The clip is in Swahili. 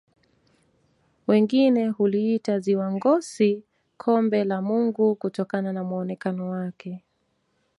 wengine huliita ziwa ngosi kombe la mungu kutokana na muonekano wake